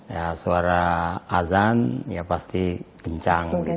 jadi suara azan ya pasti kencang